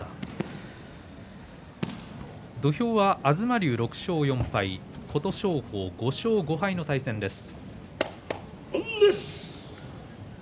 土俵は東龍、６勝４敗琴勝峰、５勝５敗の対戦です。